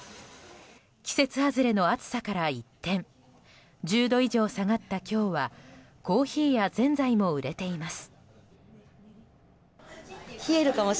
季節外れの暑さから一転１０度以上下がった今日はコーヒーやぜんざいも売れています。